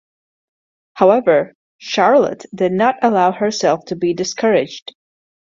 However, Charlotte did not allow herself to be discouraged.